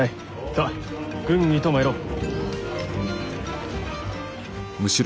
さあ軍議と参ろう。